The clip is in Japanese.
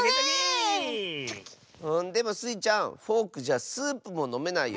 でもスイちゃんフォークじゃスープものめないよ。